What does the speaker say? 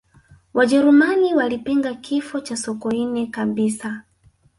wajerumani walipinga kifo cha sokoine kabisa